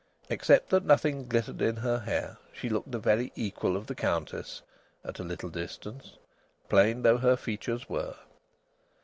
Except that nothing glittered in her hair, she looked the very equal of the Countess, at a little distance, plain though her features were.